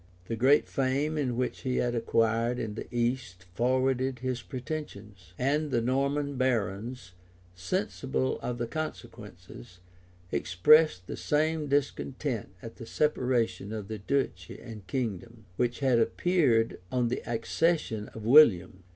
The great fame which he had acquired in the East forwarded his pretensions, and the Norman barons, sensible of the consequences, expressed the same discontent at the separation of the duchy and kingdom, which had appeared on the accession of William.